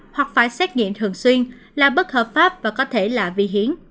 hoặc phải xét nghiệm thường xuyên là bất hợp pháp và có thể là vi hiến